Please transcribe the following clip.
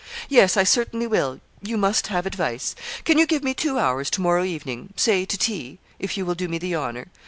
'Yes, I certainly will you must have advice. Can you give me two hours to morrow evening say to tea if you will do me the honour.